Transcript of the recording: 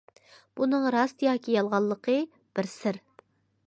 بۇنىڭ راست ياكى يالغانلىقىنى بىر سىر.